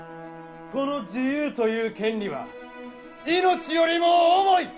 この自由という権利は命よりも重い！